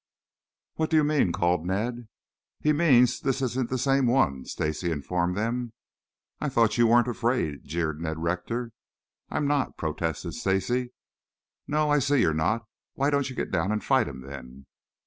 "What do you mean?" called Ned. "He means this isn't the same one," Stacy informed them. "I thought you weren't afraid?" jeered Ned Rector. "I'm not," protested Stacy. "No, I see you are not. Why don't you get down and fight him, then?"